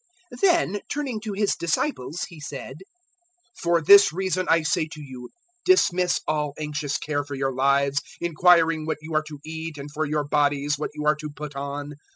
012:022 Then turning to His disciples He said, "For this reason I say to you, `Dismiss all anxious care for your lives, inquiring what you are to eat, and for your bodies, what you are to put on.'